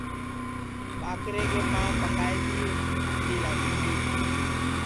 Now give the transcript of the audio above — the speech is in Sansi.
ٻاکرے کے پانٚؤ پکائے تیے ھانٚڈی لاگی گی